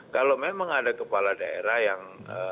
kalau memang ada kepala daerah yang